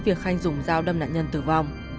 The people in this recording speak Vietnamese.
việc khanh dùng dao đâm nạn nhân tử vong